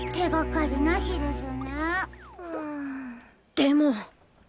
でも！